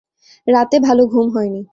রাতে ভালো ঘুম হয় নি।